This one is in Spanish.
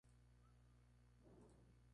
tú partes